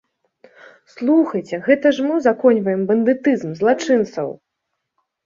Слухайце, гэта ж мы ўзаконьваем бандытызм, злачынцаў!